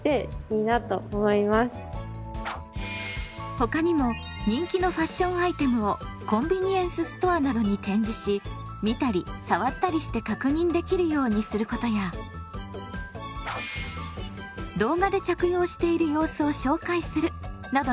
他にも人気のファッションアイテムをコンビニエンスストアなどに展示し見たり触ったりして確認できるようにすることや動画で着用している様子を紹介するなどのアイデアを提案しました。